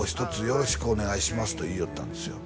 「よろしくお願いします」と言いよったんですよ